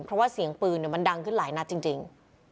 เพราะว่าเสียงปืนมันดังขึ้นหลายนัดจริง